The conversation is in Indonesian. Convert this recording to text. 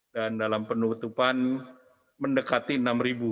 dan dalam penutupan mendekati rp enam